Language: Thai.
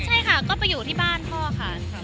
ใช่ค่ะก็ไปอยู่ที่บ้านพ่อค่ะ